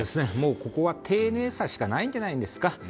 ここは丁寧さしかないんじゃないですか。